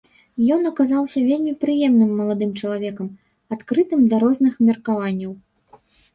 Ён аказаўся вельмі прыемным маладым чалавекам, адкрытым да розных меркаванняў.